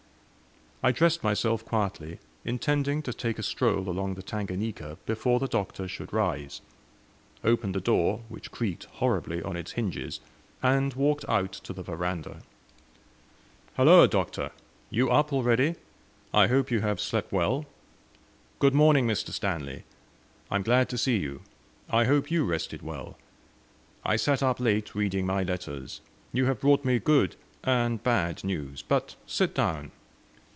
I dressed myself quietly, intending to take a stroll along the Tanganika before the Doctor should rise; opened the door, which creaked horribly on its hinges, and walked out to the veranda. "Halloa, Doctor! you up already? I hope you have slept well?" "Good morning, Mr. Stanley! I am glad to see you. I hope you rested well. I sat up late reading my letters. You have brought me good and bad news. But sit down."